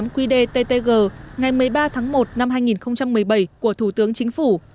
một trăm một mươi bảy qdttg ngày một mươi ba tháng một năm hai nghìn một mươi bảy của thủ tướng chính phủ